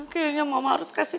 kayaknya mama harus kasih